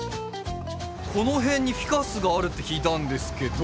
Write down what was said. この辺にフィカスがあるって聞いたんですけど。